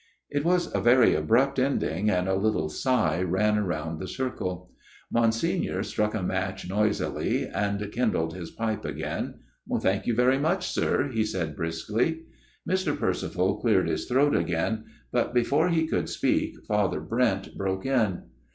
It was a very abrupt ending ; and a little sigh ran round the circle. Monsignor struck a match noisily, and kindled his pipe again. " Thank you very much, sir," he said briskly. Mr. Percival cleared his throat again ; but before he could speak Father Brent broke in.